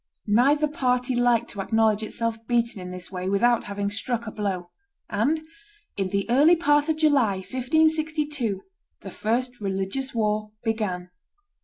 Neither party liked to acknowledge itself beaten in this way without having struck a blow. And in the early part of July, 1562, the first religious war began.